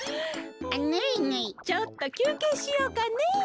ちょっときゅうけいしようかね。